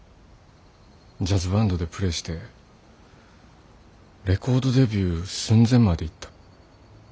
ジャズバンドでプレーしてレコードデビュー寸前までいった。